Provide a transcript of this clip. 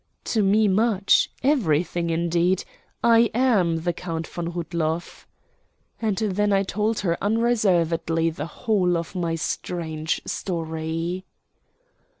"To me much everything, indeed. I am the Count von Rudloff," and then I told her unreservedly the whole of my strange story.